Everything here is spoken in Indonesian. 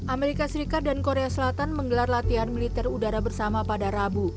amerika serikat dan korea selatan menggelar latihan militer udara bersama pada rabu